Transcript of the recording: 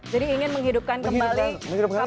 jadi ingin menghidupkan kembali kabupaten bogor sebagai